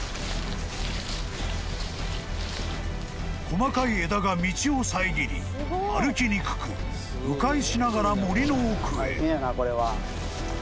［細かい枝が道を遮り歩きにくく迂回しながら森の奥へ］